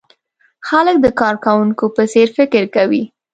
خلک د کارکوونکو په څېر فکر کوي.